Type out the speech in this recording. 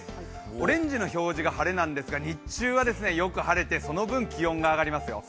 オレンジの表示が晴れなんですが日中はよく晴れてその分、気温が上がりますよ。